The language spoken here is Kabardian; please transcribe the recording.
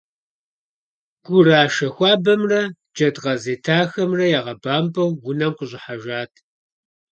Гурашэ хуабэмрэ джэдкъаз етахэмрэ ягъэбэмпӀауэ унэм къыщӀыхьэжат.